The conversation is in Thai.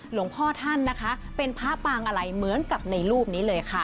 หลวงพ่อท่านนะคะเป็นพระปางอะไรเหมือนกับในรูปนี้เลยค่ะ